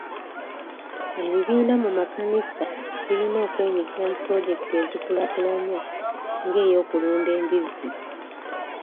Ebibiina mu makanisa birina okwenyigira mu pulojekiti ezikulaakulanya nga ey'okulunda embizzi.